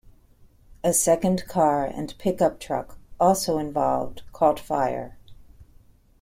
A second car and pickup truck, also involved, caught fire.